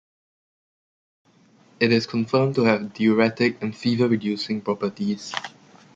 It is confirmed to have diuretic and fever-reducing properties.